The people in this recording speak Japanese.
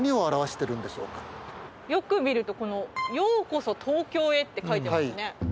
よく見ると「ようこそ東京へ」って書いてますね。